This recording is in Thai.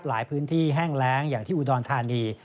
หลายพื้นที่แห้งแรงอย่างที่อุดรธานี